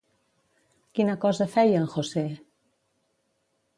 Quina cosa feia en José?